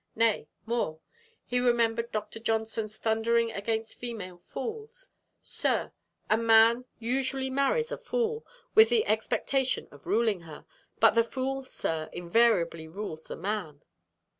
Nay, more. He remembered Dr. Johnson's thundering against female fools: "Sir, a man usually marries a fool, with the expectation of ruling her; but the fool, sir, invariably rules the man."